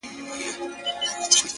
گوره ځوانـيمـرگ څه ښـه وايــي ـ